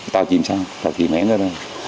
tàu chìm sang tàu chìm hẻn ra ra